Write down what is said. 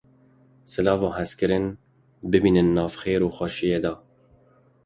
Silav û hizkirin biminin nav xêr û xweşiyê de.